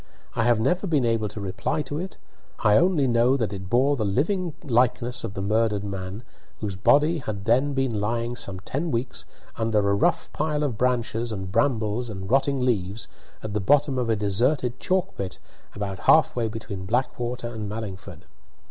I have never been able to reply to it. I only know that it bore the living likeness of the murdered man, whose body had then been lying some ten weeks under a rough pile of branches and brambles and rotting leaves, at the bottom of a deserted chalk pit about half way between Blackwater and Mallingford.